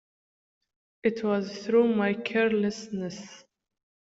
It was through my carelessness.